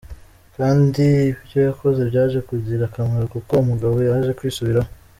Kandi ibyo yakoze byaje kugira akamaro kuko umugabo yaje kwisubiraho.